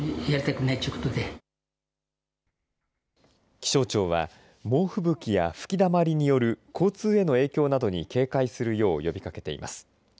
気象庁は猛吹雪や吹きだまりによる交通への影響などに警戒するよう呼びかけています。